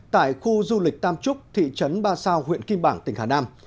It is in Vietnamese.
tại khu du lịch tam trúc thị trấn ba sao huyện kim bảng tỉnh hà nam